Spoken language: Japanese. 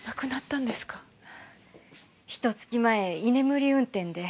ひと月前居眠り運転で。